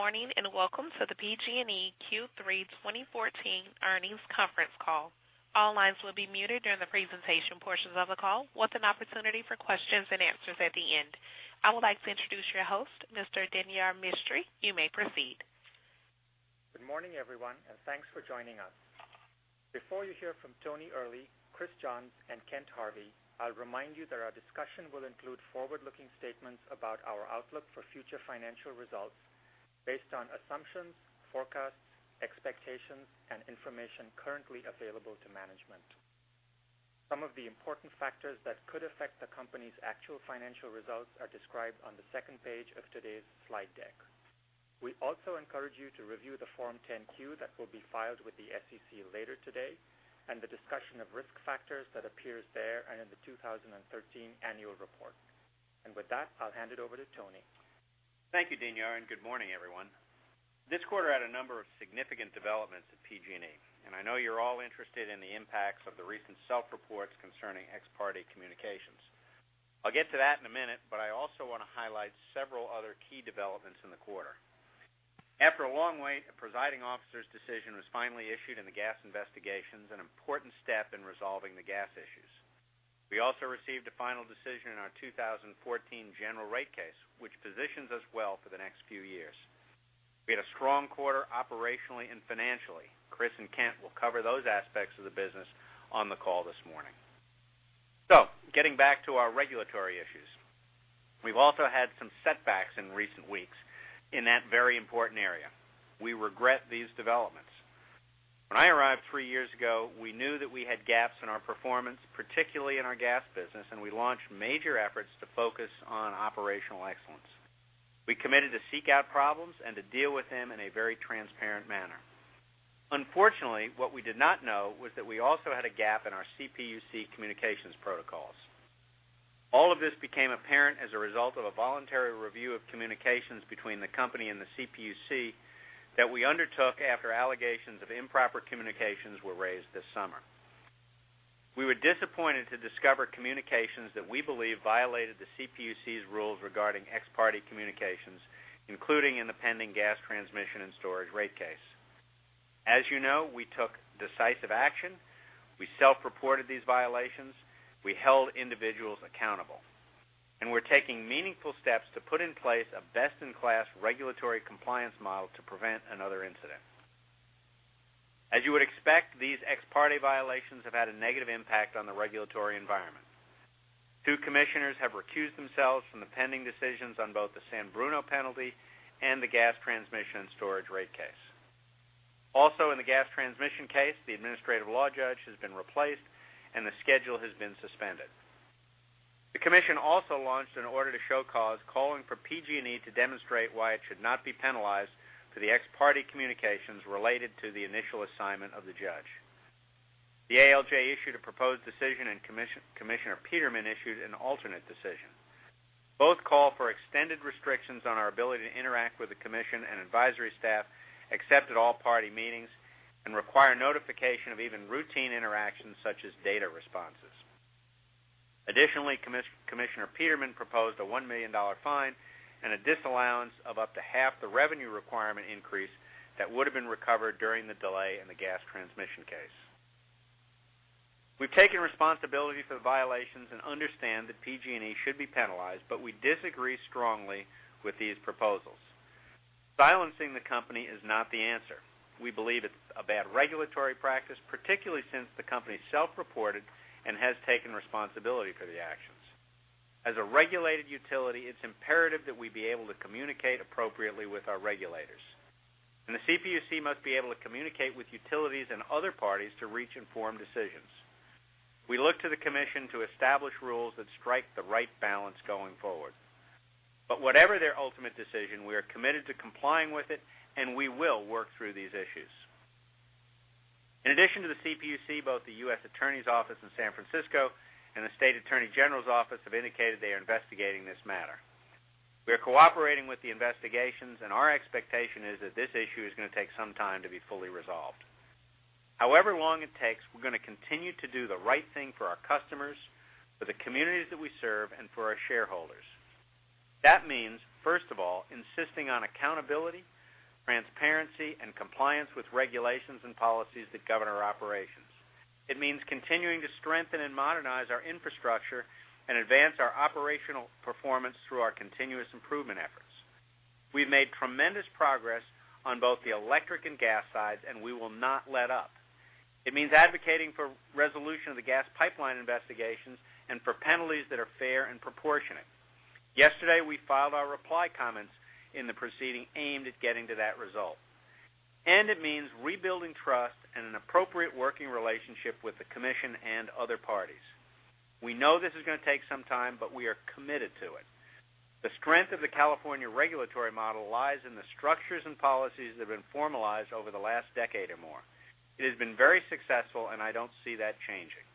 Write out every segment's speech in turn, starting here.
Good morning, welcome to the PG&E Q3 2014 earnings conference call. All lines will be muted during the presentation portions of the call, with an opportunity for questions and answers at the end. I would like to introduce your host, Mr. Dinyar Mistry. You may proceed. Good morning, everyone, thanks for joining us. Before you hear from Tony Earley, Chris Johns, and Kent Harvey, I'll remind you that our discussion will include forward-looking statements about our outlook for future financial results based on assumptions, forecasts, expectations, and information currently available to management. Some of the important factors that could affect the company's actual financial results are described on the second page of today's slide deck. We also encourage you to review the Form 10-Q that will be filed with the SEC later today and the discussion of risk factors that appears there and in the 2013 annual report. With that, I'll hand it over to Tony. Thank you, Dinyar, good morning, everyone. This quarter had a number of significant developments at PG&E, and I know you're all interested in the impacts of the recent self-reports concerning ex parte communications. I'll get to that in a minute, but I also want to highlight several other key developments in the quarter. After a long wait, a presiding officer's decision was finally issued in the gas investigations, an important step in resolving the gas issues. We also received a final decision in our 2014 General Rate Case, which positions us well for the next few years. We had a strong quarter operationally and financially. Chris and Kent will cover those aspects of the business on the call this morning. Getting back to our regulatory issues, we've also had some setbacks in recent weeks in that very important area. We regret these developments. When I arrived three years ago, we knew that we had gaps in our performance, particularly in our gas business, and we launched major efforts to focus on operational excellence. We committed to seek out problems and to deal with them in a very transparent manner. Unfortunately, what we did not know was that we also had a gap in our CPUC communications protocols. All of this became apparent as a result of a voluntary review of communications between the company and the CPUC that we undertook after allegations of improper communications were raised this summer. We were disappointed to discover communications that we believe violated the CPUC's rules regarding ex parte communications, including in the pending Gas Transmission and Storage rate case. As you know, we took decisive action. We self-reported these violations. We held individuals accountable, and we're taking meaningful steps to put in place a best-in-class regulatory compliance model to prevent another incident. As you would expect, these ex parte violations have had a negative impact on the regulatory environment. Two commissioners have recused themselves from the pending decisions on both the San Bruno penalty and the Gas Transmission and Storage rate case. Also in the gas transmission case, the administrative law judge has been replaced and the schedule has been suspended. The commission also launched an order to show cause, calling for PG&E to demonstrate why it should not be penalized for the ex parte communications related to the initial assignment of the judge. The ALJ issued a proposed decision and Commissioner Peterman issued an alternate decision. Both call for extended restrictions on our ability to interact with the commission and advisory staff, except at all party meetings, and require notification of even routine interactions such as data responses. Additionally, Commissioner Peterman proposed a $1 million fine and a disallowance of up to half the revenue requirement increase that would've been recovered during the delay in the gas transmission case. We've taken responsibility for the violations and understand that PG&E should be penalized, but we disagree strongly with these proposals. Silencing the company is not the answer. We believe it's a bad regulatory practice, particularly since the company self-reported and has taken responsibility for the actions. As a regulated utility, it's imperative that we be able to communicate appropriately with our regulators, and the CPUC must be able to communicate with utilities and other parties to reach informed decisions. We look to the commission to establish rules that strike the right balance going forward. Whatever their ultimate decision, we are committed to complying with it, and we will work through these issues. In addition to the CPUC, both the U.S. Attorney's Office in San Francisco and the State Attorney General's Office have indicated they are investigating this matter. We are cooperating with the investigations, and our expectation is that this issue is going to take some time to be fully resolved. However long it takes, we're going to continue to do the right thing for our customers, for the communities that we serve, and for our shareholders. That means, first of all, insisting on accountability, transparency, and compliance with regulations and policies that govern our operations. It means continuing to strengthen and modernize our infrastructure and advance our operational performance through our continuous improvement efforts. We've made tremendous progress on both the electric and gas sides, and we will not let up. It means advocating for resolution of the gas pipeline investigations and for penalties that are fair and proportionate. Yesterday, we filed our reply comments in the proceeding aimed at getting to that result. It means rebuilding trust and an appropriate working relationship with the commission and other parties. We know this is going to take some time, but we are committed to it. The strength of the California regulatory model lies in the structures and policies that have been formalized over the last decade or more. It has been very successful, and I don't see that changing.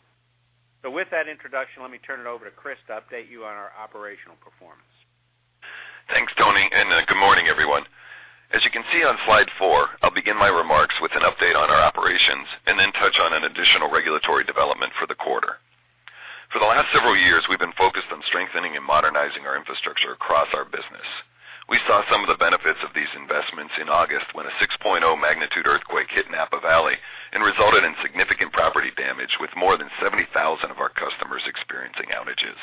With that introduction, let me turn it over to Chris to update you on our operational performance. Thanks, Tony. Good morning, everyone. As you can see on slide four, I'll begin my remarks with an update on our operations and then touch on an additional regulatory development for the quarter. For the last several years, we've been focused on strengthening and modernizing our infrastructure across our business. We saw some of the benefits of these investments in August when a 6.0 magnitude earthquake hit Napa Valley and resulted in significant property damage, with more than 70,000 of our customers experiencing outages.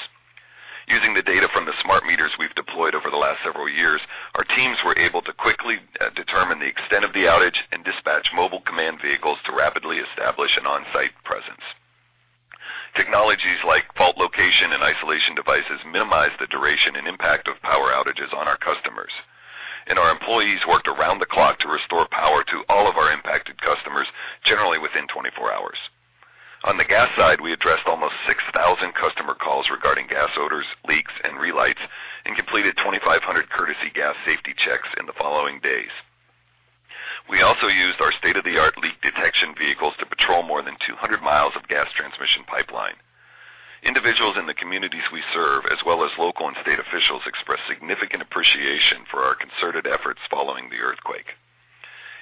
Using the data from the smart meters we've deployed over the last several years, our teams were able to quickly determine the extent of the outage and dispatch mobile command vehicles to rapidly establish an on-site presence. Technologies like fault location and isolation devices minimized the duration and impact of power outages on our customers. Our employees worked around the clock to restore power to all of our impacted customers, generally within 24 hours. On the gas side, we addressed almost 6,000 customer calls regarding gas odors, leaks, and relights and completed 2,500 courtesy gas safety checks in the following days. We also used our state-of-the-art leak detection vehicles to patrol more than 200 miles of gas transmission pipeline. Individuals in the communities we serve, as well as local and state officials, expressed significant appreciation for our concerted efforts following the earthquake.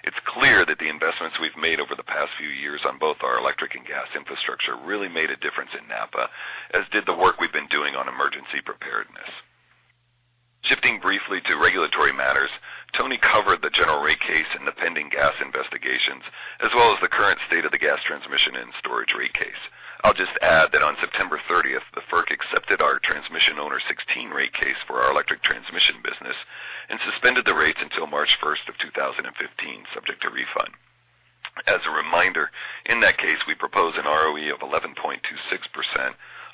It's clear that the investments we've made over the past few years on both our electric and gas infrastructure really made a difference in Napa, as did the work we've been doing on emergency preparedness. Shifting briefly to regulatory matters, Tony covered the General Rate Case and the pending gas investigations, as well as the current state of the Gas Transmission and Storage rate case. I'll just add that on September 30th, the FERC accepted our Transmission Owner 16 rate case for our electric transmission business and suspended the rates until March 1st of 2015, subject to refund. As a reminder, in that case, we propose an ROE of 11.26%,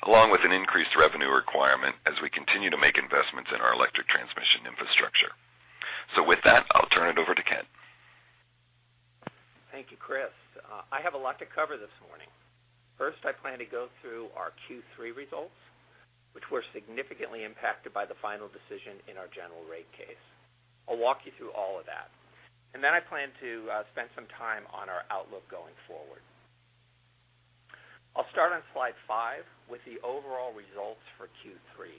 along with an increased revenue requirement as we continue to make investments in our electric transmission infrastructure. With that, I'll turn it over to Kent. Thank you, Chris. I have a lot to cover this morning. First, I plan to go through our Q3 results, which were significantly impacted by the final decision in our General Rate Case. I'll walk you through all of that. Then I plan to spend some time on our outlook going forward. I'll start on slide five with the overall results for Q3.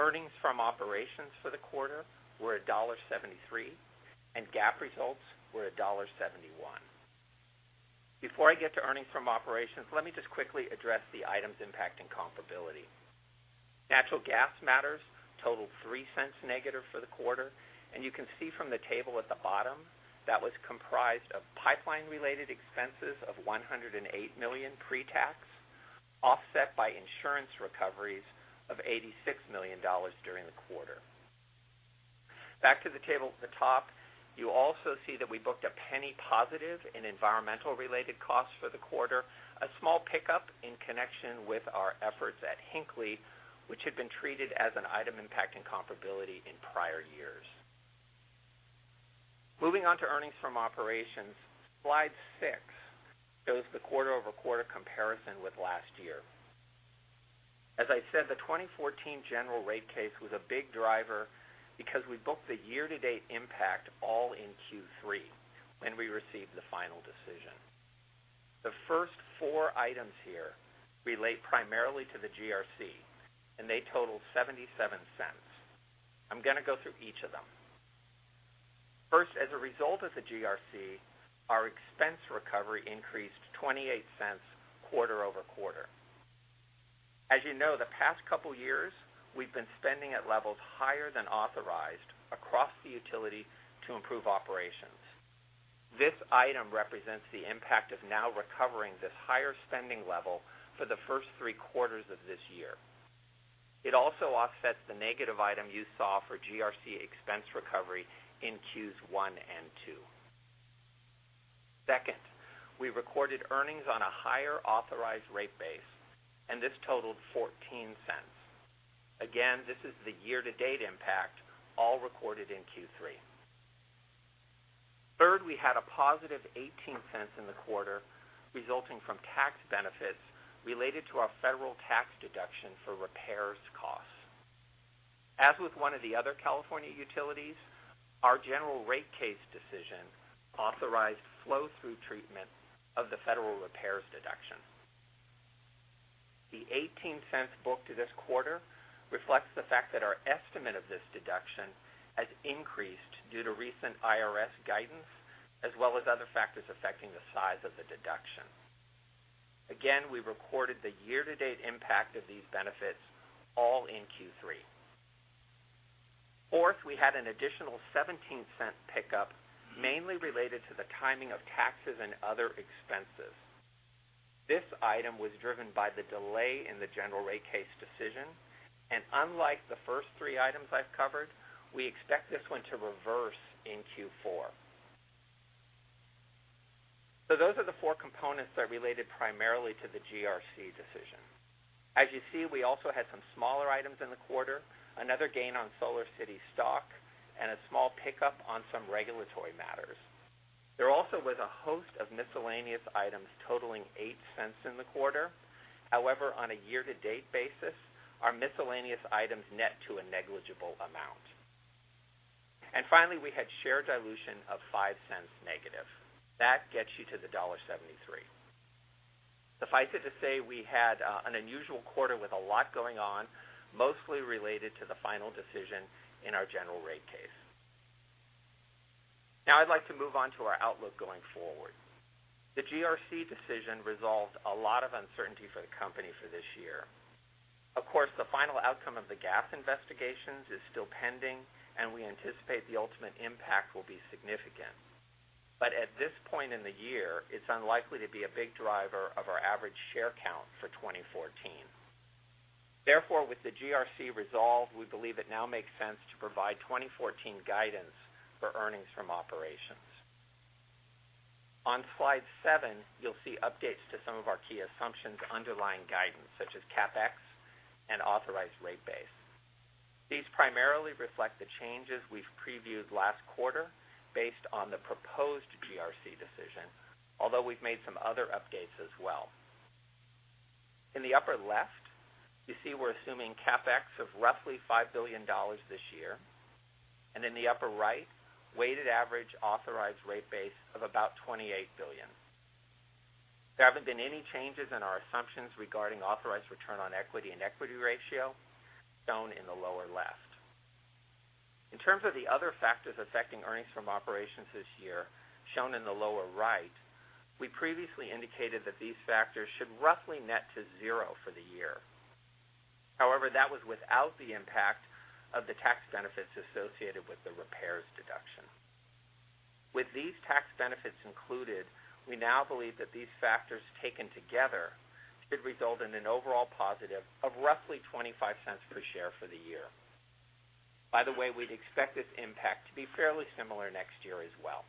Earnings from operations for the quarter were $1.73, and GAAP results were $1.71. Before I get to earnings from operations, let me just quickly address the items impacting comparability. Natural gas matters totaled $0.03 negative for the quarter, and you can see from the table at the bottom that was comprised of pipeline-related expenses of $108 million pre-tax, offset by insurance recoveries of $86 million during the quarter. Back to the table at the top, you also see that we booked $0.01 positive in environmental-related costs for the quarter, a small pickup in connection with our efforts at Hinkley, which had been treated as an item impacting comparability in prior years. Moving on to earnings from operations. Slide six shows the quarter-over-quarter comparison with last year. As I said, the 2014 General Rate Case was a big driver because we booked the year-to-date impact all in Q3 when we received the final decision. The first four items here relate primarily to the GRC, and they total $0.77. I'm going to go through each of them. First, as a result of the GRC, our expense recovery increased $0.28 quarter-over-quarter. As you know, the past couple years, we've been spending at levels higher than authorized across the utility to improve operations. This item represents the impact of now recovering this higher spending level for the first three quarters of this year. It also offsets the negative item you saw for GRC expense recovery in Q1 and Q2. Second, we recorded earnings on a higher authorized rate base, and this totaled $0.14. Again, this is the year-to-date impact, all recorded in Q3. Third, we had a positive $0.18 in the quarter resulting from tax benefits related to our federal tax deduction for repairs costs. As with one of the other California utilities, our General Rate Case decision authorized flow-through treatment of the federal repairs deduction. The $0.18 booked to this quarter reflects the fact that our estimate of this deduction has increased due to recent IRS guidance, as well as other factors affecting the size of the deduction. Again, we recorded the year-to-date impact of these benefits all in Q3. Fourth, we had an additional $0.17 pickup, mainly related to the timing of taxes and other expenses. This item was driven by the delay in the General Rate Case decision, and unlike the first three items I've covered, we expect this one to reverse in Q4. Those are the four components that related primarily to the GRC decision. As you see, we also had some smaller items in the quarter, another gain on SolarCity stock and a small pickup on some regulatory matters. There also was a host of miscellaneous items totaling $0.08 in the quarter. However, on a year-to-date basis, our miscellaneous items net to a negligible amount. Finally, we had share dilution of $0.05 negative. That gets you to the $1.73. Suffice it to say, we had an unusual quarter with a lot going on, mostly related to the final decision in our General Rate Case. I'd like to move on to our outlook going forward. The GRC decision resolved a lot of uncertainty for the company for this year. Of course, the final outcome of the gas investigations is still pending, and we anticipate the ultimate impact will be significant. At this point in the year, it's unlikely to be a big driver of our average share count for 2014. Therefore, with the GRC resolved, we believe it now makes sense to provide 2014 guidance for earnings from operations. On slide seven, you'll see updates to some of our key assumptions underlying guidance such as CapEx and authorized rate base. These primarily reflect the changes we've previewed last quarter based on the proposed GRC decision, although we've made some other updates as well. In the upper left, you see we're assuming CapEx of roughly $5 billion this year, and in the upper right, weighted average authorized rate base of about $28 billion. There haven't been any changes in our assumptions regarding authorized ROE and equity ratio shown in the lower left. In terms of the other factors affecting earnings from operations this year, shown in the lower right, we previously indicated that these factors should roughly net to zero for the year. However, that was without the impact of the tax benefits associated with the repairs deduction. With these tax benefits included, we now believe that these factors taken together should result in an overall positive of roughly $0.25 per share for the year. By the way, we'd expect this impact to be fairly similar next year as well.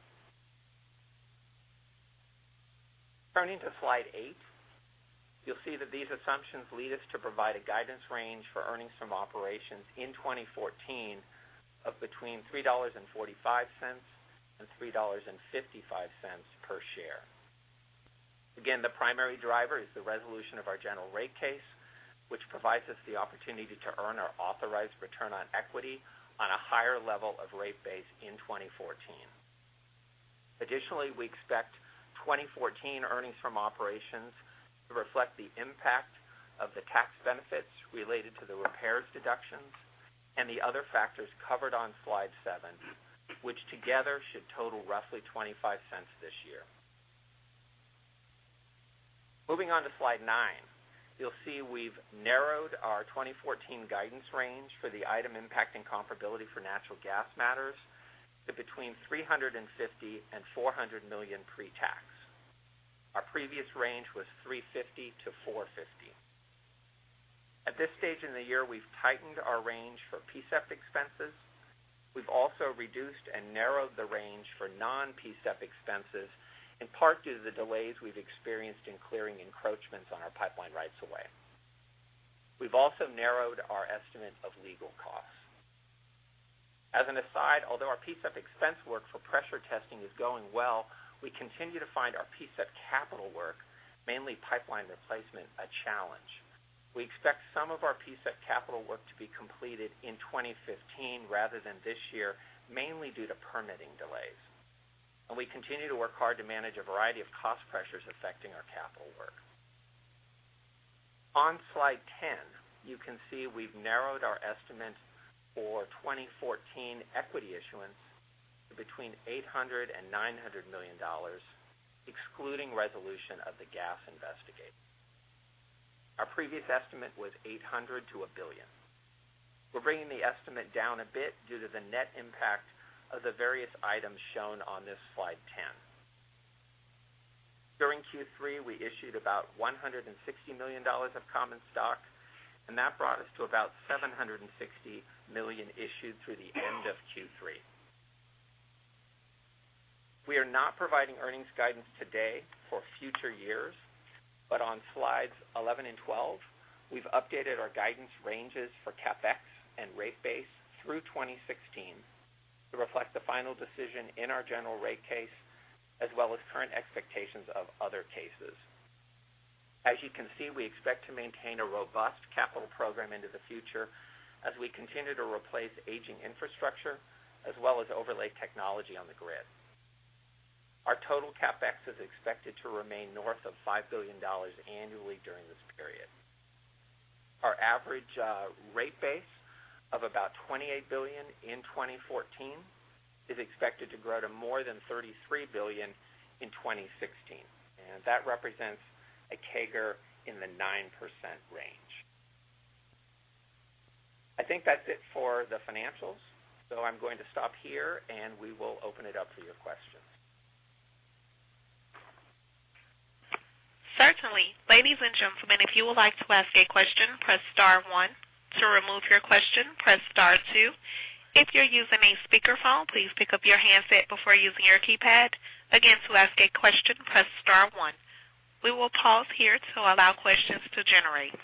Turning to slide eight, you'll see that these assumptions lead us to provide a guidance range for earnings from operations in 2014 of between $3.45 and $3.55 per share. Again, the primary driver is the resolution of our General Rate Case, which provides us the opportunity to earn our authorized ROE on a higher level of rate base in 2014. Additionally, we expect 2014 earnings from operations to reflect the impact of the tax benefits related to the repairs deductions and the other factors covered on slide seven, which together should total roughly $0.25 this year. Moving on to slide nine, you'll see we've narrowed our 2014 guidance range for the item impacting comparability for natural gas matters to between $350 million and $400 million pre-tax. Our previous range was $350 million to $450 million. At this stage in the year, we've tightened our range for PSEP expenses. We've also reduced and narrowed the range for non-PSEP expenses, in part due to the delays we've experienced in clearing encroachments on our pipeline rights of way. We've also narrowed our estimate of legal costs. As an aside, although our PSEP expense work for pressure testing is going well, we continue to find our PSEP capital work, mainly pipeline replacement, a challenge. We expect some of our PSEP capital work to be completed in 2015 rather than this year, mainly due to permitting delays. We continue to work hard to manage a variety of cost pressures affecting our capital work. On slide 10, you can see we've narrowed our estimate for 2014 equity issuance to between $800 million and $900 million, excluding resolution of the gas investigation. Our previous estimate was $800 million to $1 billion. We're bringing the estimate down a bit due to the net impact of the various items shown on this slide 10. During Q3, we issued about $160 million of common stock, and that brought us to about $760 million issued through the end of Q3. We are not providing earnings guidance today for future years, but on slides 11 and 12, we've updated our guidance ranges for CapEx and rate base through 2016 to reflect the final decision in our General Rate Case, as well as current expectations of other cases. As you can see, we expect to maintain a robust capital program into the future as we continue to replace aging infrastructure as well as overlay technology on the grid. Our total CapEx is expected to remain north of $5 billion annually during this period. Our average rate base of about $28 billion in 2014 is expected to grow to more than $33 billion in 2016. That represents a CAGR in the 9% range. I think that's it for the financials. I'm going to stop here, and we will open it up for your questions. Certainly. Ladies and gentlemen, if you would like to ask a question, press star one. To remove your question, press star two. If you're using a speakerphone, please pick up your handset before using your keypad. Again, to ask a question, press star one. We will pause here to allow questions to generate.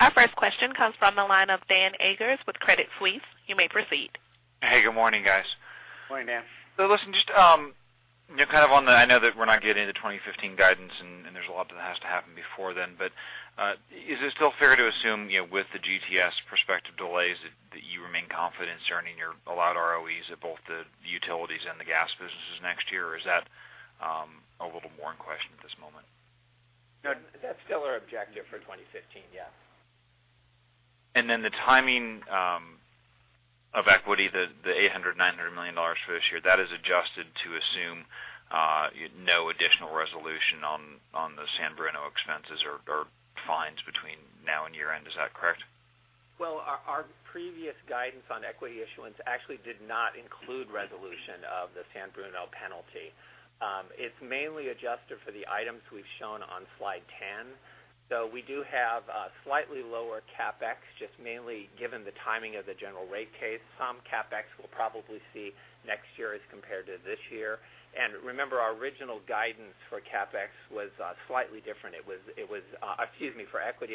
Our first question comes from the line of Dan Eggers with Credit Suisse. You may proceed. Hey, good morning, guys. Morning, Dan. listen, I know that we're not getting the 2015 guidance and there's a lot that has to happen before then, but is it still fair to assume with the GT&S prospective delays ease of both the utilities and the gas businesses next year, or is that a little more in question at this moment? That's still our objective for 2015, yes. The timing of equity, the $800 million, $900 million for this year, that is adjusted to assume no additional resolution on the San Bruno expenses or fines between now and year-end. Is that correct? Well, our previous guidance on equity issuance actually did not include resolution of the San Bruno penalty. It's mainly adjusted for the items we've shown on slide 10. We do have a slightly lower CapEx, just mainly given the timing of the General Rate Case. Some CapEx we'll probably see next year as compared to this year. Remember, our original guidance for equity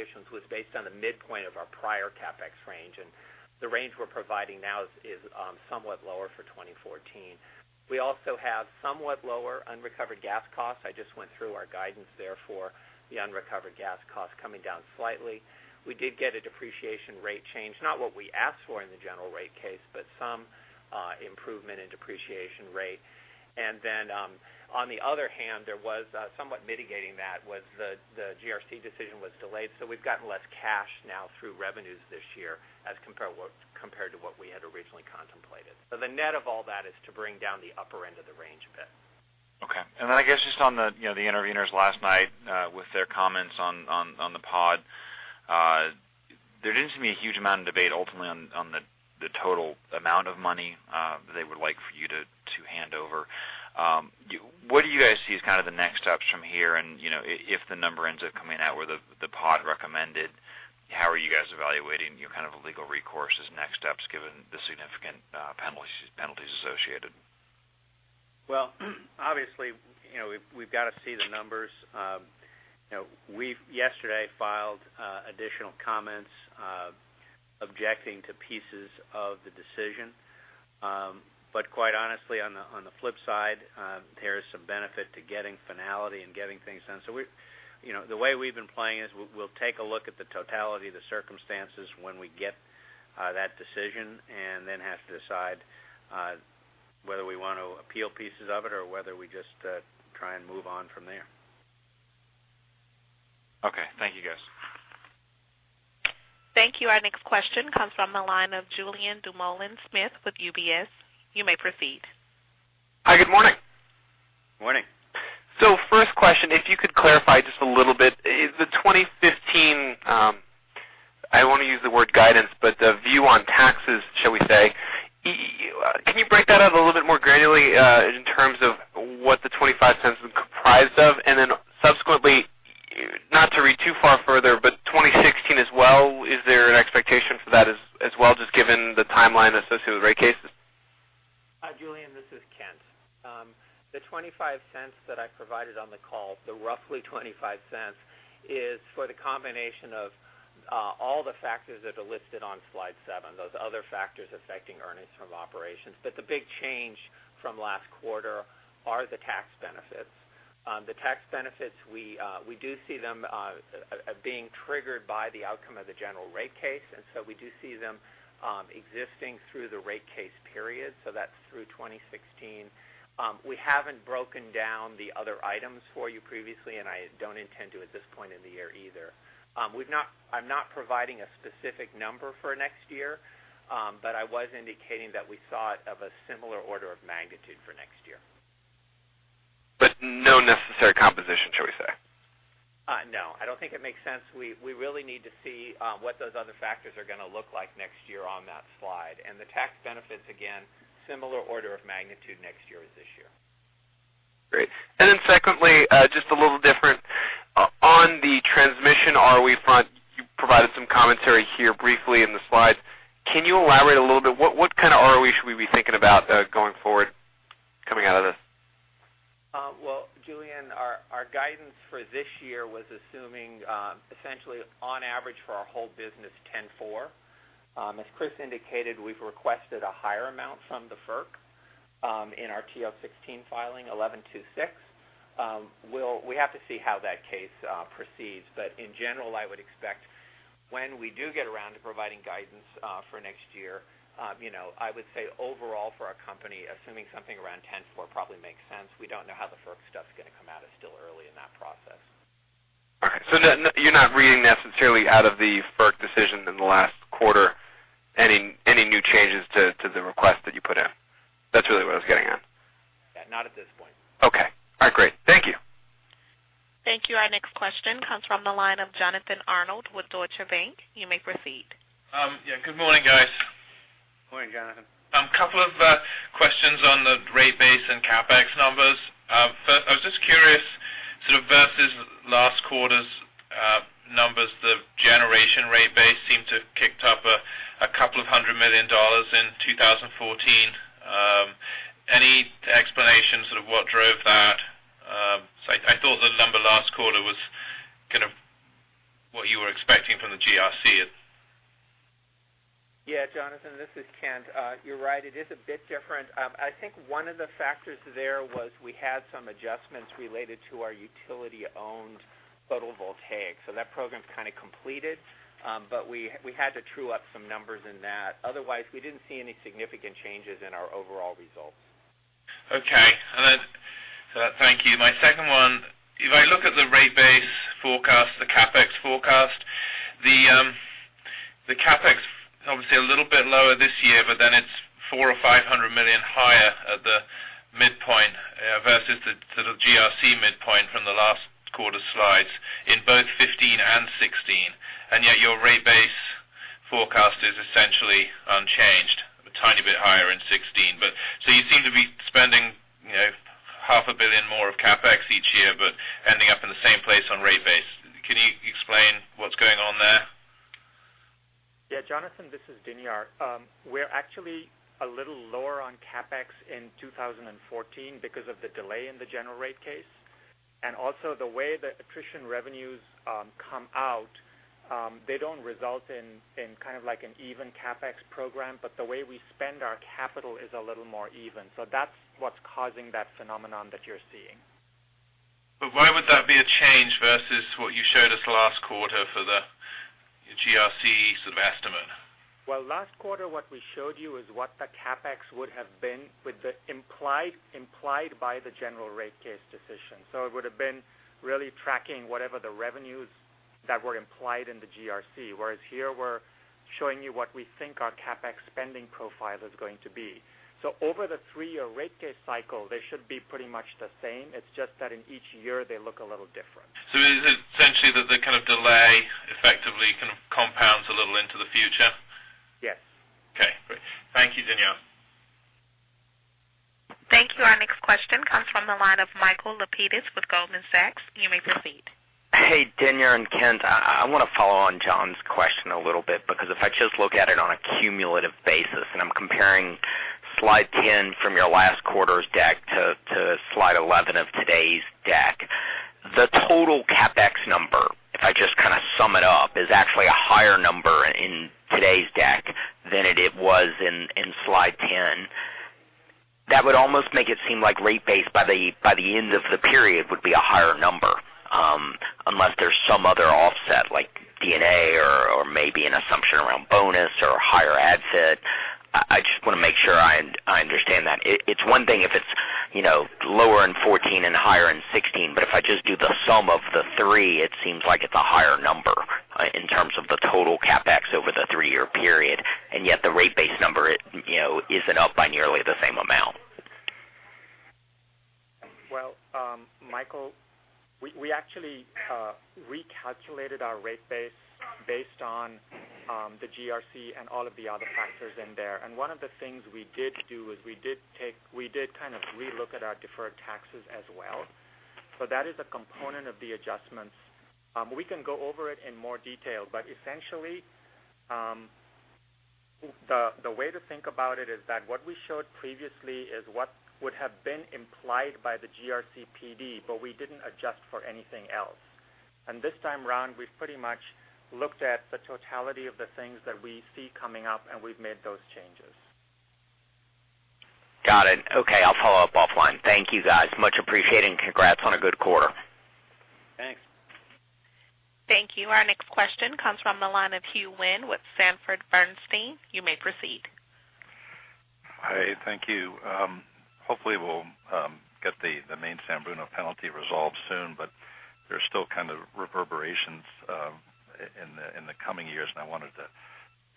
issuance was based on the midpoint of our prior CapEx range, and the range we're providing now is somewhat lower for 2014. We also have somewhat lower unrecovered gas costs. I just went through our guidance there for the unrecovered gas cost coming down slightly. We did get a depreciation rate change, not what we asked for in the General Rate Case, but some improvement in depreciation rate. On the other hand, somewhat mitigating that was the GRC decision was delayed, we've gotten less cash now through revenues this year as compared to what we had originally contemplated. The net of all that is to bring down the upper end of the range a bit. Okay. I guess just on the intervenors last night with their comments on the POD. There didn't seem to be a huge amount of debate ultimately on the total amount of money they would like for you to hand over. What do you guys see as the next steps from here? If the number ends up coming out where the POD recommended, how are you guys evaluating your legal recourses, next steps, given the significant penalties associated? Well, obviously, we've got to see the numbers. We've yesterday filed additional comments objecting to pieces of the decision. Quite honestly, on the flip side, there is some benefit to getting finality and getting things done. The way we've been playing is we'll take a look at the totality of the circumstances when we get that decision, then have to decide whether we want to appeal pieces of it or whether we just try and move on from there. Okay. Thank you, guys. Thank you. Our next question comes from the line of Julien Dumoulin-Smith with UBS. You may proceed. Hi, good morning. Morning. First question, if you could clarify just a little bit, the 2015, I don't want to use the word guidance, but the view on taxes, shall we say. Can you break that out a little bit more granularly in terms of what the $0.25 is comprised of? Subsequently, not to read too far further, but 2016 as well, is there an expectation for that as well, just given the timeline associated with rate cases? Hi, Julien, this is Kent. The $0.25 that I provided on the call, the roughly $0.25, is for the combination of all the factors that are listed on slide seven, those other factors affecting earnings from operations. The big change from last quarter are the tax benefits. The tax benefits, we do see them being triggered by the outcome of the General Rate Case, we do see them existing through the rate case period. That's through 2016. We haven't broken down the other items for you previously, I don't intend to at this point in the year either. I'm not providing a specific number for next year, but I was indicating that we thought of a similar order of magnitude for next year. No necessary composition, shall we say? No, I don't think it makes sense. We really need to see what those other factors are going to look like next year on that slide. The tax benefits, again, similar order of magnitude next year as this year. Great. Secondly, just a little different. On the transmission ROE front, you provided some commentary here briefly in the slides. Can you elaborate a little bit? What kind of ROE should we be thinking about going forward coming out of this? Well, Julien, our guidance for this year was assuming essentially on average for our whole business 10.4. As Chris indicated, we've requested a higher amount from the FERC in our TO16 filing, 11.26. We have to see how that case proceeds. In general, I would expect when we do get around to providing guidance for next year, I would say overall for our company, assuming something around 10.4 probably makes sense. We don't know how the FERC stuff's going to come out. It's still early in that process. Okay. You're not reading necessarily out of the FERC decision in the last quarter any new changes to the request that you put in? That's really what I was getting at. Not at this point. Okay. All right, great. Thank you. Thank you. Our next question comes from the line of Jonathan Arnold with Deutsche Bank. You may proceed. Yeah. Good morning, guys. Morning, Jonathan. A couple of questions on the rate base and CapEx numbers. First, I was just curious, sort of versus last quarter's numbers, the generation rate base seemed to have kicked up a couple of hundred million dollars in 2014. Any explanation sort of what drove that? I thought the number last quarter was kind of what you were expecting from the GRC. Yeah, Jonathan, this is Kent. You're right. It is a bit different. I think one of the factors there was we had some adjustments related to our utility-owned photovoltaics. That program's kind of completed. We had to true up some numbers in that. Otherwise, we didn't see any significant changes in our overall results. Okay. Thank you. My second one, if I look at the rate base forecast, the CapEx forecast, the CapEx obviously a little bit lower this year, it's four or $500 million higher at the midpoint, versus the sort of GRC midpoint from the last quarter slides in both 2015 and 2016. Your rate base forecast is essentially unchanged, a tiny bit higher in 2016. You seem to be spending half a billion more of CapEx each year, but ending up in the same place on rate base. Can you explain what's going on there? Yeah, Jonathan, this is Dinyar. We're actually a little lower on CapEx in 2014 because of the delay in the General Rate Case. The way the attrition revenues come out, they don't result in kind of like an even CapEx program, but the way we spend our capital is a little more even. That's what's causing that phenomenon that you're seeing. Why would that be a change versus what you showed us last quarter for the GRC sort of estimate? Well, last quarter, what we showed you is what the CapEx would have been implied by the General Rate Case decision. It would've been really tracking whatever the revenues that were implied in the GRC, whereas here we're showing you what we think our CapEx spending profile is going to be. Over the three-year rate case cycle, they should be pretty much the same. It's just that in each year they look a little different. Is it essentially that the kind of delay effectively kind of compounds a little into the future? Yes. Okay, great. Thank you, Dinyar. Thank you. Our next question comes from the line of Michael Lapides with Goldman Sachs. You may proceed. Dinyar and Kent. I want to follow on John's question a little bit, because if I just look at it on a cumulative basis, and I'm comparing slide 10 from your last quarter's deck to slide 11 of today's deck. The total CapEx number, if I just kind of sum it up, is actually a higher number in today's deck than it was in slide 10. That would almost make it seem like rate base by the end of the period would be a higher number, unless there's some other offset like D&A or maybe an assumption around bonus or higher ADIT. I just want to make sure I understand that. It's one thing if it's lower in 2014 and higher in 2016. If I just do the sum of the three, it seems like it's a higher number in terms of the total CapEx over the three-year period, yet the rate base number isn't up by nearly the same amount. Well, Michael, we actually recalculated our rate base based on the GRC and all of the other factors in there. One of the things we did do is we did kind of re-look at our deferred taxes as well. That is a component of the adjustments. We can go over it in more detail, essentially, the way to think about it is that what we showed previously is what would have been implied by the GRC PD, we didn't adjust for anything else. This time around, we've pretty much looked at the totality of the things that we see coming up, we've made those changes. Got it. Okay. I'll follow up offline. Thank you, guys. Much appreciated, congrats on a good quarter. Thanks. Thank you. Our next question comes from the line of Hugh Wynne with Sanford Bernstein. You may proceed. Hi. Thank you. Hopefully we'll get the main San Bruno penalty resolved soon, but there's still kind of reverberations in the coming years, and I wanted to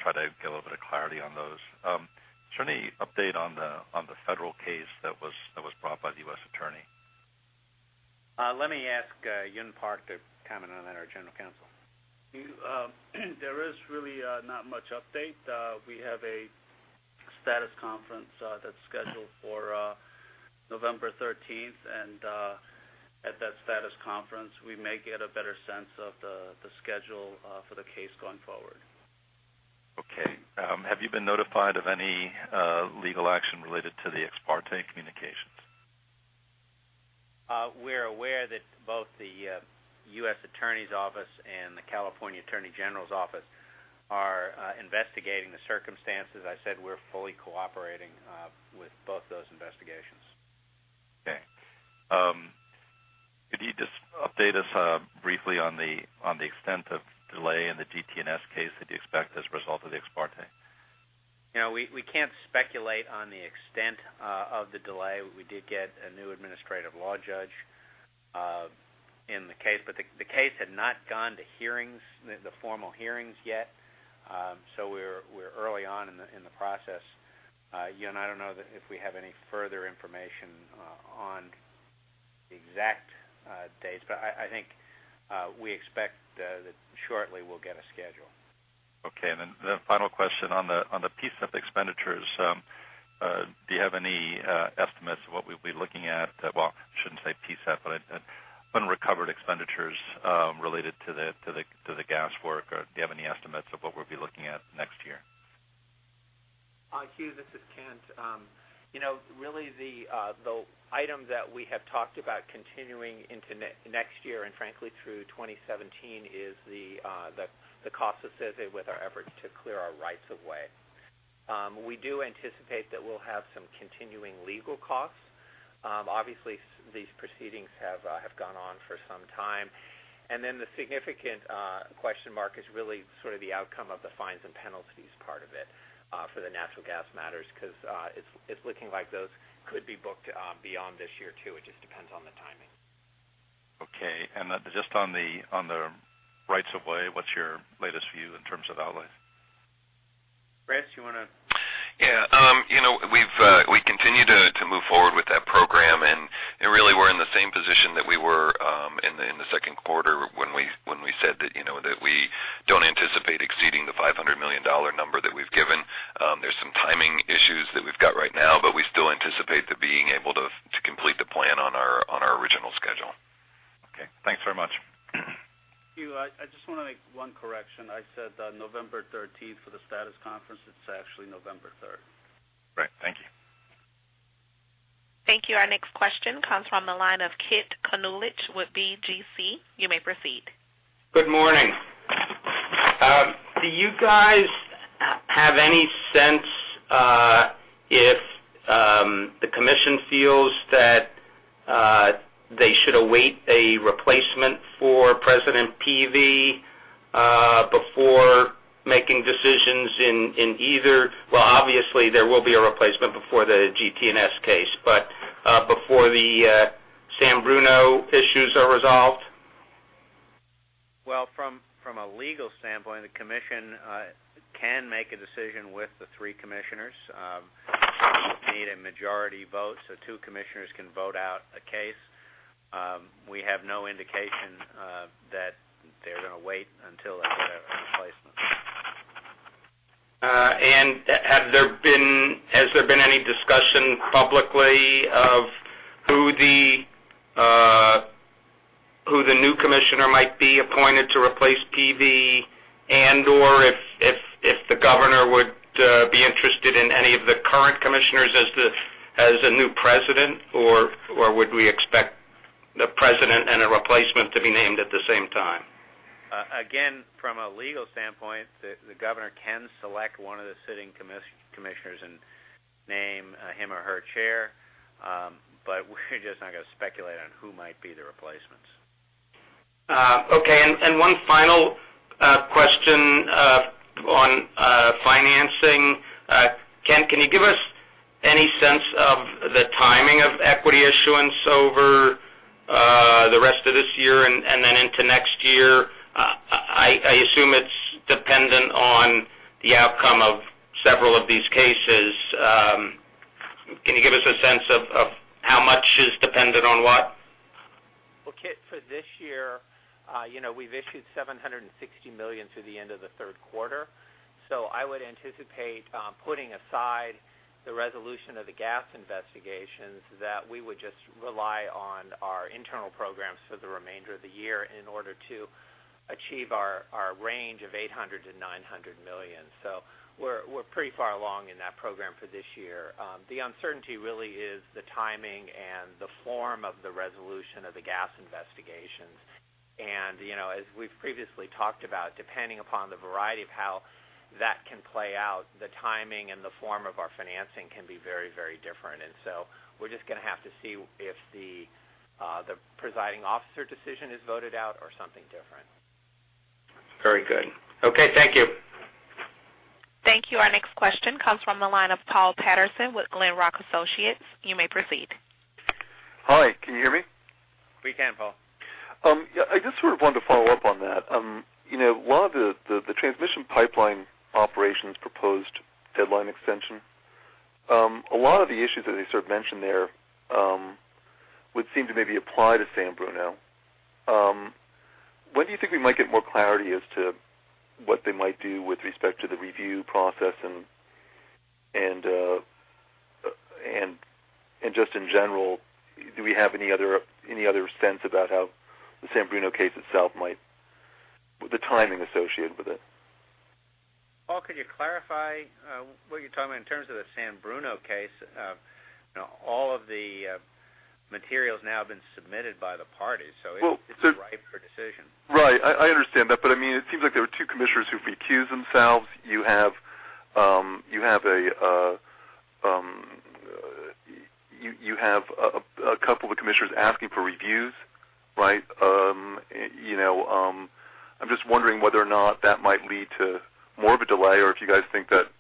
try to get a little bit of clarity on those. Is there any update on the federal case that was brought by the U.S. Attorney? Let me ask Hyun Park to comment on that, our General Counsel. There is really not much update. We have a status conference that's scheduled for November 13th, and at that status conference, we may get a better sense of the schedule for the case going forward. Okay. Have you been notified of any legal action related to the ex parte communications? We're aware that both the U.S. Attorney's Office and the California Attorney General's Office are investigating the circumstances. I said we're fully cooperating with both those investigations. Okay. Could you just update us briefly on the extent of delay in the GT&S case that you expect as a result of the ex parte? We can't speculate on the extent of the delay. We did get a new administrative law judge in the case, but the case had not gone to hearings, the formal hearings yet. We're early on in the process. Hyun, I don't know if we have any further information on the exact dates, I think we expect that shortly we'll get a schedule. Okay. The final question on the PSEP expenditures. Do you have any estimates of what we'll be looking at? I shouldn't say PSEP, but unrecovered expenditures related to the gas work. Do you have any estimates of what we'll be looking at next year? Hugh, this is Kent. Really the item that we have talked about continuing into next year and frankly through 2017 is the cost associated with our efforts to clear our rights of way. We do anticipate that we'll have some continuing legal costs. Obviously, these proceedings have gone on for some time. Then the significant question mark is really sort of the outcome of the fines and penalties part of it for the natural gas matters, because it's looking like those could be booked beyond this year, too. It just depends on the timing. Okay. Just on the rights of way, what's your latest view in terms of the outlay? Brad, do you want to? Yeah. We continue to move forward with that program, and really, we're in the same position that we were in the second quarter when we said that we don't anticipate exceeding the $500 million number that we've given. There's some timing issues that we've got right now, but we still anticipate to being able to complete the plan on our original schedule. Okay. Thanks very much. Hugh, I just want to make one correction. I said November 13th for the status conference. It's actually November 3rd. Right. Thank you. Thank you. Our next question comes from the line of Kit Konolige with BGC. You may proceed. Good morning. Do you guys have any sense if the commission feels that they should await a replacement for President Peevey before making decisions in either Well, obviously, there will be a replacement before the GT&S case, but before the San Bruno issues are resolved? Well, from a legal standpoint, the commission can make a decision with the three commissioners. You need a majority vote, two commissioners can vote out a case. We have no indication that they're going to wait until they get a replacement. Has there been any discussion publicly of who the new commissioner might be appointed to replace Peevey, and/or if the governor would be interested in any of the current commissioners as a new president, or would we expect the president and a replacement to be named at the same time? Again, from a legal standpoint, the governor can select one of the sitting commissioners and name him or her chair. We're just not going to speculate on who might be the replacements. Okay. One final question on financing. Kent, can you give us any sense of the timing of equity issuance over the rest of this year and then into next year? I assume it's dependent on the outcome of several of these cases. Can you give us a sense of how much is dependent on what? Well, Kit, for this year, we've issued $760 million through the end of the third quarter. I would anticipate, putting aside the resolution of the gas investigations, that we would just rely on our internal programs for the remainder of the year in order to achieve our range of $800 million-$900 million. We're pretty far along in that program for this year. The uncertainty really is the timing and the form of the resolution of the gas investigations. As we've previously talked about, depending upon the variety of how that can play out, the timing and the form of our financing can be very different. We're just going to have to see if the presiding officer decision is voted out or something different. Very good. Okay, thank you. Thank you. Our next question comes from the line of Paul Patterson with Glenrock Associates. You may proceed. Hi, can you hear me? We can, Paul. Yeah. I just sort of wanted to follow up on that. A lot of the transmission pipeline operations proposed deadline extension. A lot of the issues that you sort of mentioned there would seem to maybe apply to San Bruno. When do you think we might get more clarity as to what they might do with respect to the review process? Just in general, do we have any other sense about how the San Bruno case itself might, with the timing associated with it? Paul, could you clarify what you're talking about in terms of the San Bruno case? All of the material's now been submitted by the parties, so it's ripe for decision. Right. I understand that, but it seems like there were two commissioners who've recused themselves. You have a couple of the commissioners asking for reviews, right? I'm just wondering whether or not that might lead to more of a delay, or if you guys think that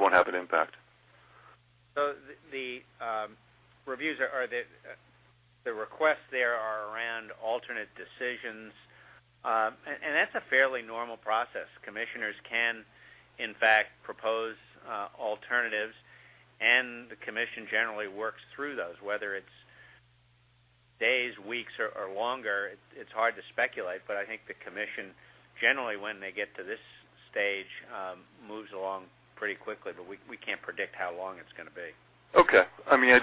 won't have an impact. The requests there are around alternate decisions. That's a fairly normal process. Commissioners can, in fact, propose alternatives, and the Commission generally works through those, whether it's days, weeks, or longer, it's hard to speculate. I think the Commission, generally when they get to this stage, moves along pretty quickly, but we can't predict how long it's going to be. Okay. I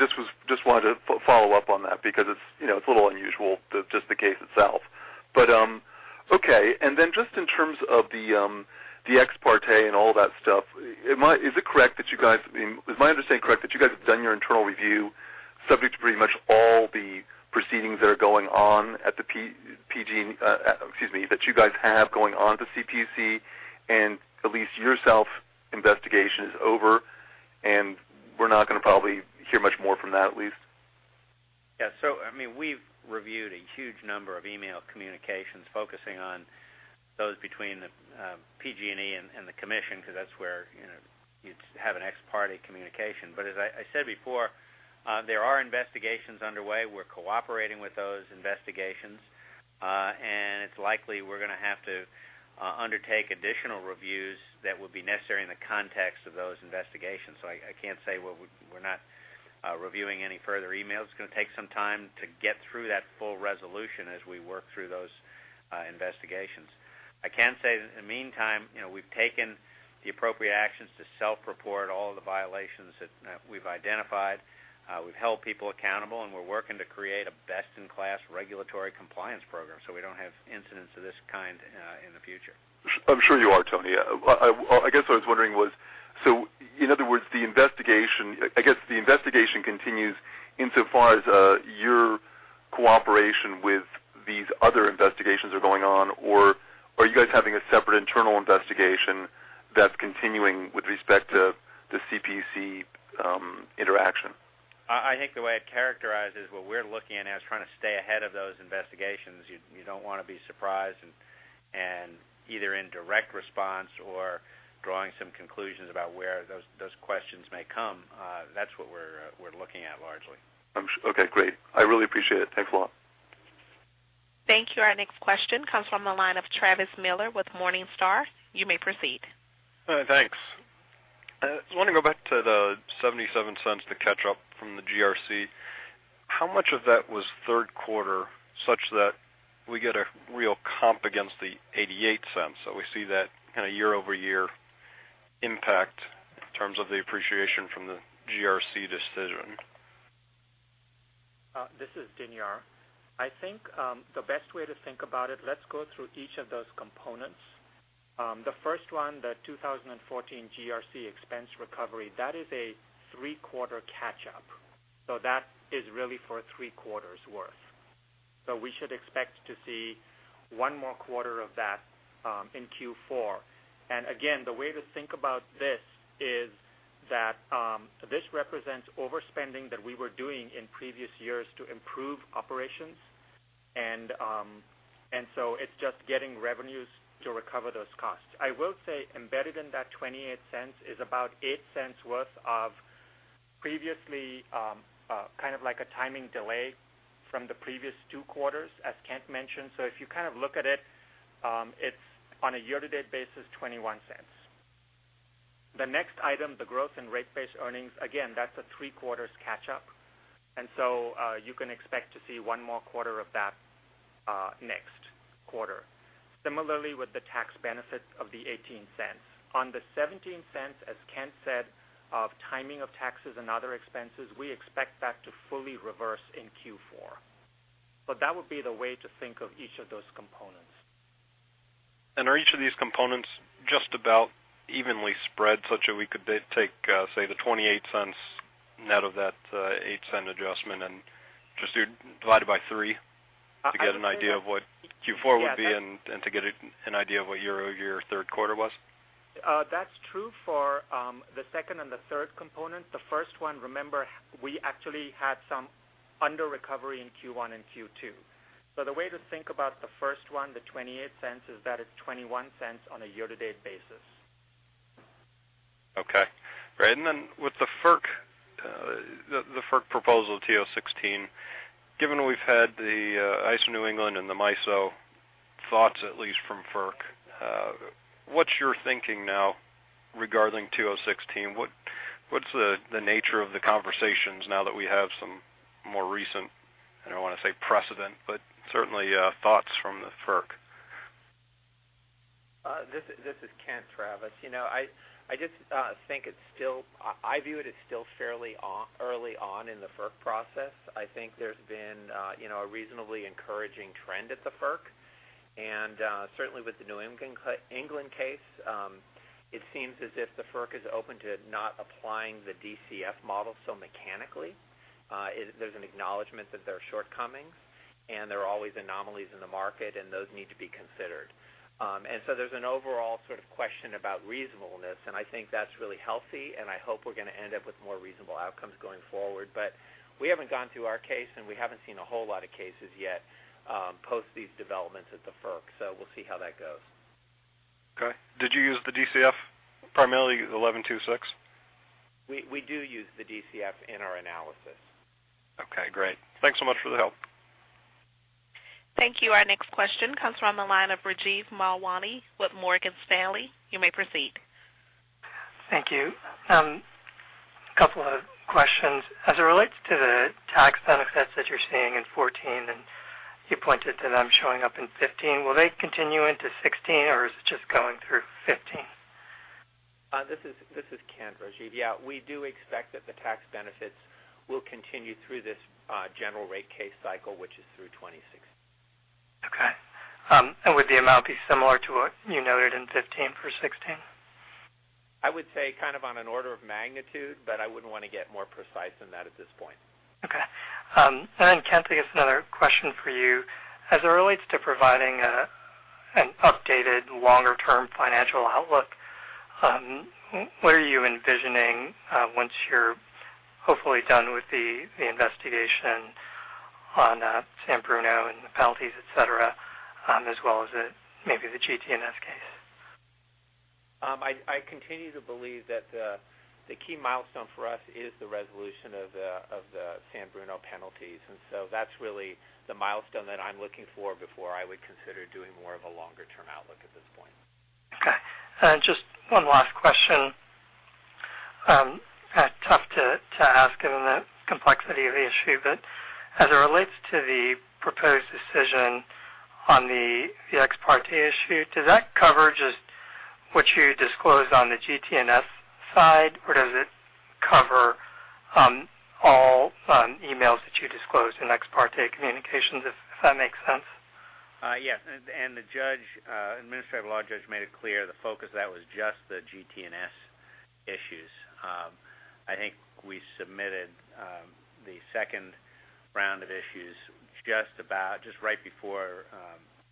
just wanted to follow up on that because it's a little unusual, just the case itself. Okay. Just in terms of the ex parte and all that stuff, is my understanding correct that you guys have done your internal review subject to pretty much all the proceedings that are going on at the CPUC, and at least yourself, investigation is over, and we're not going to probably hear much more from that, at least? Yeah. We've reviewed a huge number of email communications focusing on those between the PG&E and the Commission, because that's where you'd have an ex parte communication. As I said before, there are investigations underway. We're cooperating with those investigations. It's likely we're going to have to undertake additional reviews that will be necessary in the context of those investigations. I can't say what we're not reviewing any further emails. It's going to take some time to get through that full resolution as we work through those investigations. I can say that in the meantime, we've taken the appropriate actions to self-report all of the violations that we've identified. We've held people accountable, and we're working to create a best-in-class regulatory compliance program so we don't have incidents of this kind in the future. I'm sure you are, Tony. I guess what I was wondering was, in other words, the investigation continues insofar as your cooperation with these other investigations are going on, or are you guys having a separate internal investigation that's continuing with respect to the CPUC interaction? I think the way I'd characterize is what we're looking at is trying to stay ahead of those investigations. You don't want to be surprised and either in direct response or drawing some conclusions about where those questions may come. That's what we're looking at largely. Okay, great. I really appreciate it. Thanks a lot. Thank you. Our next question comes from the line of Travis Miller with Morningstar. You may proceed. I want to go back to the $0.77 to catch up from the GRC. How much of that was third quarter such that we get a real comp against the $0.88? We see that kind of year-over-year impact in terms of the appreciation from the GRC decision. This is Dinyar. I think the best way to think about it, let's go through each of those components. The first one, the 2014 GRC expense recovery, that is a three-quarter catch up. That is really for three quarters worth. We should expect to see one more quarter of that in Q4. Again, the way to think about this is that this represents overspending that we were doing in previous years to improve operations. It's just getting revenues to recover those costs. I will say embedded in that $0.28 is about $0.08 worth of previously kind of like a timing delay from the previous two quarters, as Kent mentioned. If you kind of look at it's on a year-to-date basis, $0.21. The next item, the growth in rate base earnings, again, that's a three-quarters catch up, you can expect to see one more quarter of that next quarter. Similarly, with the tax benefits of the $0.18. On the $0.17, as Kent said, of timing of taxes and other expenses, we expect that to fully reverse in Q4. That would be the way to think of each of those components. Are each of these components just about evenly spread, such that we could take, say, the $0.28 net of that $0.08 adjustment and just divide it by 3 to get an idea of what Q4 would be and to get an idea of what year-over-year third quarter was? That's true for the second and the third component. The first one, remember, we actually had some under-recovery in Q1 and Q2. The way to think about the first one, the $0.28, is that it's $0.21 on a year-to-date basis. Okay. Great, with the FERC proposal, 2016, given we've had the ISO New England and the MISO thoughts, at least from FERC, what's your thinking now regarding 2016? What's the nature of the conversations now that we have some more recent, I don't want to say precedent, but certainly thoughts from the FERC? This is Kent, Travis. I view it as still fairly early on in the FERC process. I think there's been a reasonably encouraging trend at the FERC, and certainly with the New England case, it seems as if the FERC is open to not applying the DCF model so mechanically. There's an acknowledgment that there are shortcomings, and there are always anomalies in the market, and those need to be considered. There's an overall sort of question about reasonableness, and I think that's really healthy, and I hope we're going to end up with more reasonable outcomes going forward. We haven't gone through our case, and we haven't seen a whole lot of cases yet post these developments at the FERC. We'll see how that goes. Okay. Did you use the DCF primarily 11.26? We do use the DCF in our analysis. Okay, great. Thanks so much for the help. Thank you. Our next question comes from the line of Rajiv Malani with Morgan Stanley. You may proceed. Thank you. A couple of questions. As it relates to the tax benefits that you're seeing in 2014, you pointed to them showing up in 2015, will they continue into 2016, or is it just going through 2015? This is Kent, Rajiv. We do expect that the tax benefits will continue through this General Rate Case cycle, which is through 2016. Would the amount be similar to what you noted in 2015 for 2016? I would say kind of on an order of magnitude, but I wouldn't want to get more precise than that at this point. Okay. Kent, I guess another question for you. As it relates to providing an updated longer-term financial outlook, what are you envisioning once you're hopefully done with the investigation on San Bruno and the penalties, et cetera, as well as maybe the GT&S case. I continue to believe that the key milestone for us is the resolution of the San Bruno penalties. That's really the milestone that I'm looking for before I would consider doing more of a longer-term outlook at this point. Okay. Just one last question. Kind of tough to ask given the complexity of the issue, as it relates to the proposed decision on the ex parte issue, does that cover just what you disclosed on the GT&S side or does it cover all emails that you disclosed in ex parte communications? If that makes sense. Yes. The administrative law judge made it clear the focus of that was just the GT&S issues. I think we submitted the second round of issues just right before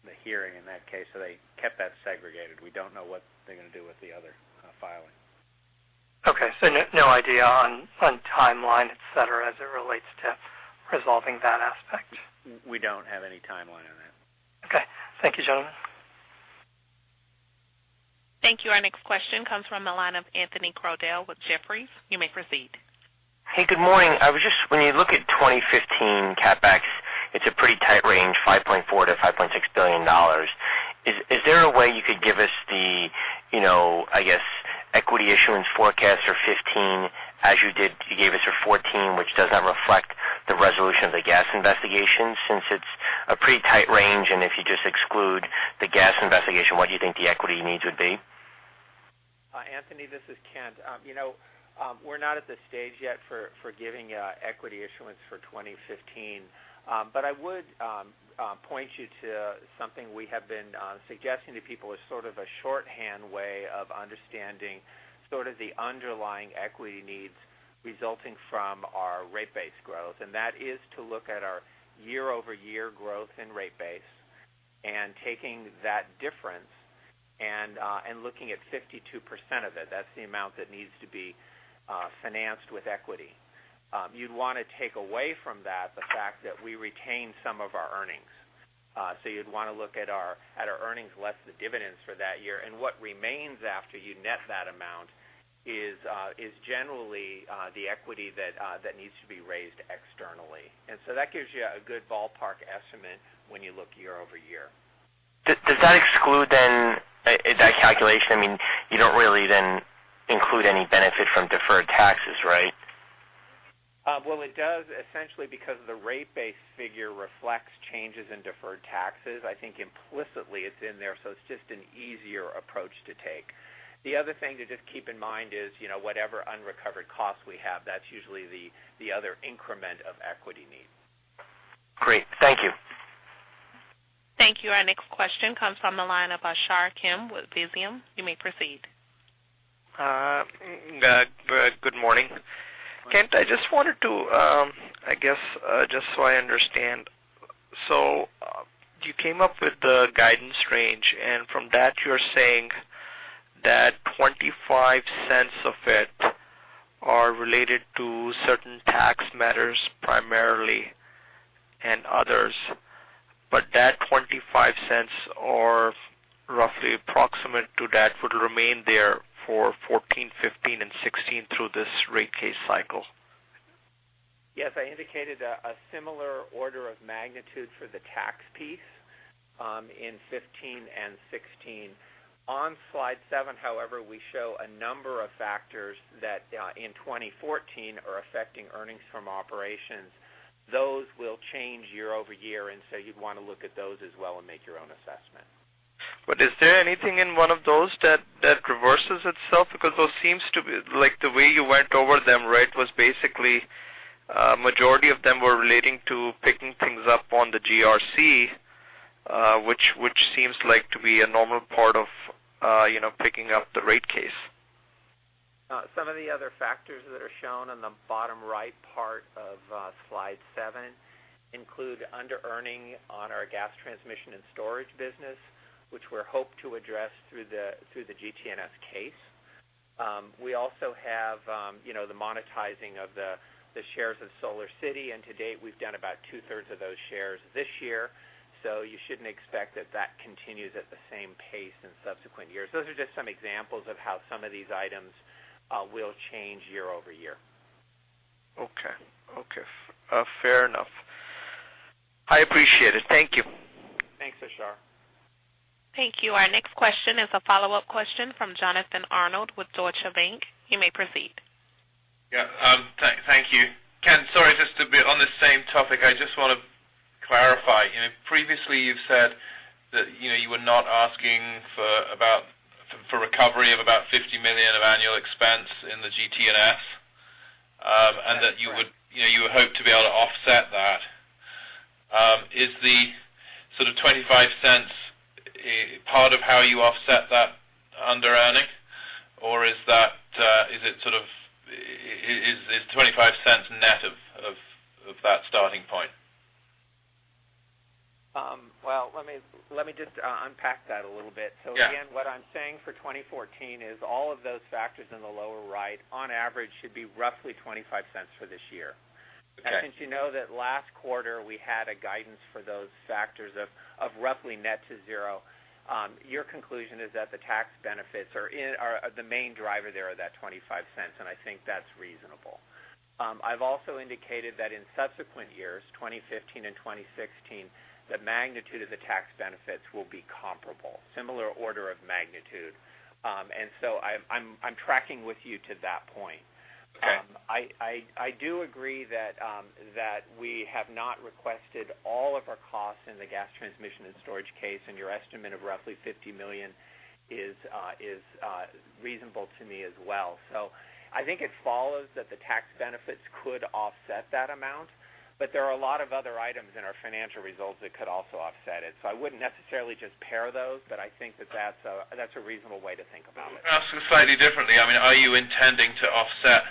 the hearing in that case. They kept that segregated. We don't know what they're going to do with the other filing. Okay. No idea on timeline, et cetera, as it relates to resolving that aspect? We don't have any timeline on that. Okay. Thank you, gentlemen. Thank you. Our next question comes from the line of Anthony Crowdell with Jefferies. You may proceed. Hey, good morning. When you look at 2015 CapEx, it's a pretty tight range, $5.4 billion-$5.6 billion. Is there a way you could give us the equity issuance forecast for 2015 as you gave us for 2014, which does not reflect the resolution of the gas investigation? Since it's a pretty tight range, and if you just exclude the gas investigation, what do you think the equity needs would be? Anthony, this is Kent. We're not at the stage yet for giving equity issuance for 2015. I would point you to something we have been suggesting to people as sort of a shorthand way of understanding sort of the underlying equity needs resulting from our rate base growth. That is to look at our year-over-year growth in rate base and taking that difference and looking at 52% of it. That's the amount that needs to be financed with equity. You'd want to take away from that the fact that we retain some of our earnings. You'd want to look at our earnings less the dividends for that year. What remains after you net that amount is generally the equity that needs to be raised externally. That gives you a good ballpark estimate when you look year-over-year. Does that exclude then, that calculation, you don't really then include any benefit from deferred taxes, right? Well, it does essentially because the rate base figure reflects changes in deferred taxes. I think implicitly it's in there, so it's just an easier approach to take. The other thing to just keep in mind is whatever unrecovered cost we have, that's usually the other increment of equity need. Great. Thank you. Thank you. Our next question comes from the line of Ashar Kirin with Visium. You may proceed. Good morning. Morning. Kent, I just wanted to, I guess, just so I understand. You came up with the guidance range, and from that you're saying that $0.25 of it are related to certain tax matters primarily and others, but that $0.25 or roughly approximate to that would remain there for 2014, 2015, and 2016 through this rate case cycle? I indicated a similar order of magnitude for the tax piece in 2015 and 2016. On slide seven, however, we show a number of factors that in 2014 are affecting earnings from operations. Those will change year-over-year, You'd want to look at those as well and make your own assessment. Is there anything in one of those that reverses itself? Because those seems to be the way you went over them, right, was basically majority of them were relating to picking things up on the GRC, which seems to be a normal part of picking up the rate case. Some of the other factors that are shown on the bottom right part of slide seven include underearning on our Gas Transmission and Storage business, which we hope to address through the GT&S case. We also have the monetizing of the shares of SolarCity, and to date, we've done about two-thirds of those shares this year. You shouldn't expect that that continues at the same pace in subsequent years. Those are just some examples of how some of these items will change year-over-year. Okay. Fair enough. I appreciate it. Thank you. Thanks, Ashar. Thank you. Our next question is a follow-up question from Jonathan Arnold with Deutsche Bank. You may proceed. Yeah, thank you. Kent, sorry, just to be on the same topic, I just want to clarify. Previously, you've said that you were not asking for recovery of about $50 million of annual expense in the GT&S, and that you would hope to be able to offset that. Is the sort of $0.25 part of how you offset that underearning, or is it sort of $0.25 net of that starting point? Well, let me just unpack that a little bit. Again, what I'm saying for 2014 is all of those factors in the lower right, on average, should be roughly $0.25 for this year. Okay. Since you know that last quarter we had a guidance for those factors of roughly net to zero, your conclusion is that the tax benefits are the main driver there of that $0.25, and I think that's reasonable. I've also indicated that in subsequent years, 2015 and 2016, the magnitude of the tax benefits will be comparable, similar order of magnitude. I'm tracking with you to that point. Okay. I do agree that we have not requested all of our costs in the Gas Transmission and Storage case, and your estimate of roughly $50 million is reasonable to me as well. I think it follows that the tax benefits could offset that amount. There are a lot of other items in our financial results that could also offset it. I wouldn't necessarily just pair those, but I think that's a reasonable way to think about it. Let me ask this slightly differently. Are you intending to offset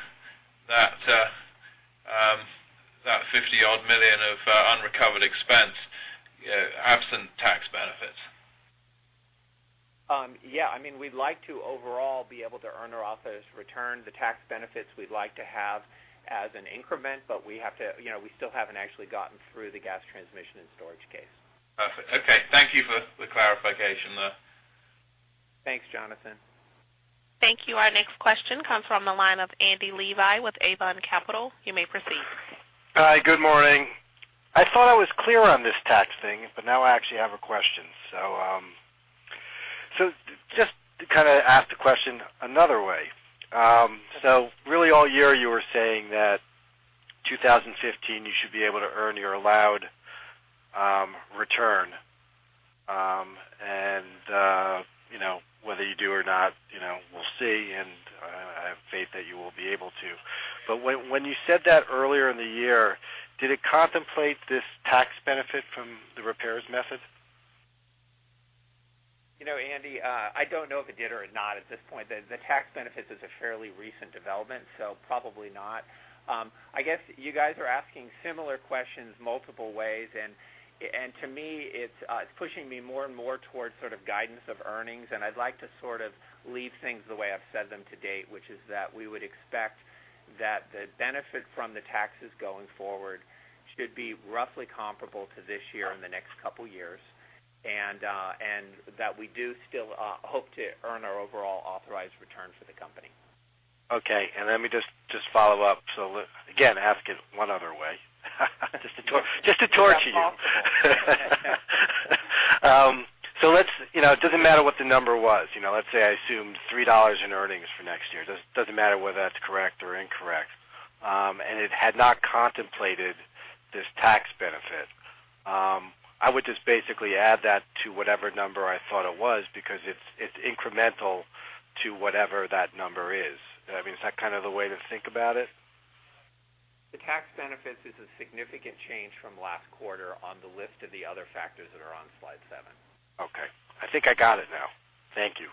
that $50-odd million of unrecovered expense, absent tax benefits? Yeah. We'd like to overall be able to earn our authorized return. The tax benefits we'd like to have as an increment, but we still haven't actually gotten through the Gas Transmission and Storage case. Perfect. Okay. Thank you for the clarification there. Thanks, Jonathan. Thank you. Our next question comes from the line of Andy Levi with Avon Capital. You may proceed. Hi. Good morning. I thought I was clear on this tax thing, but now I actually have a question. Just to kind of ask the question another way. Really all year you were saying that 2015 you should be able to earn your allowed return. And whether you do or not, we'll see, and I have faith that you will be able to. When you said that earlier in the year, did it contemplate this tax benefit from the repairs method? Andy, I don't know if it did or not at this point. The tax benefit is a fairly recent development, so probably not. I guess you guys are asking similar questions multiple ways, and to me, it's pushing me more and more towards sort of guidance of earnings, and I'd like to sort of leave things the way I've said them to date, which is that we would expect that the benefit from the taxes going forward should be roughly comparable to this year and the next couple years, and that we do still hope to earn our overall authorized return for the company. Okay. Let me just follow up. Again, ask it one other way. Just to torture you. If that's possible. It doesn't matter what the number was. Let's say I assumed $3 in earnings for next year. Doesn't matter whether that's correct or incorrect. It had not contemplated this tax benefit. I would just basically add that to whatever number I thought it was because it's incremental to whatever that number is. Is that kind of the way to think about it? The tax benefit is a significant change from last quarter on the list of the other factors that are on slide seven. Okay. I think I got it now. Thank you.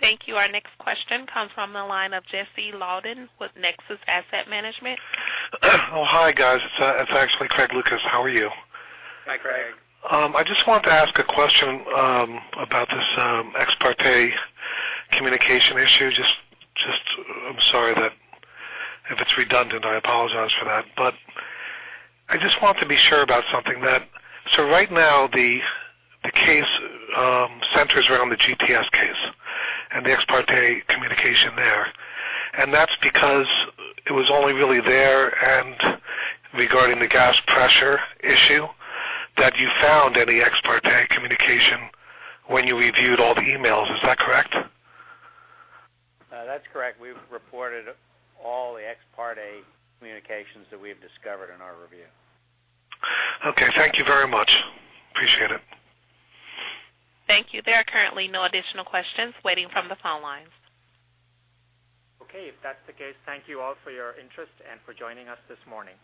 Thank you. Our next question comes from the line of Jesse Laudon with Nexus Asset Management. Oh, hi, guys. It's actually Craig Lucas. How are you? Hi, Craig. I just wanted to ask a question about this ex parte communication issue. I'm sorry that if it's redundant, I apologize for that. I just want to be sure about something. Right now, the case centers around the GT&S case and the ex parte communication there. That's because it was only really there, and regarding the gas pressure issue, that you found any ex parte communication when you reviewed all the emails. Is that correct? That's correct. We've reported all the ex parte communications that we've discovered in our review. Okay. Thank you very much. Appreciate it. Thank you. There are currently no additional questions waiting from the phone lines. Okay. If that's the case, thank you all for your interest and for joining us this morning.